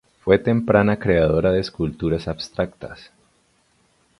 Fue temprana creadora de esculturas abstractas.